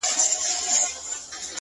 د سترگو هره ائينه کي مي جلا ياري ده’